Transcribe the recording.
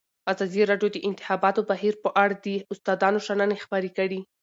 ازادي راډیو د د انتخاباتو بهیر په اړه د استادانو شننې خپرې کړي.